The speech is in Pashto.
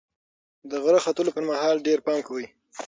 د غره ختلو پر مهال ډېر پام کوئ.